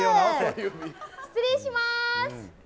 失礼します。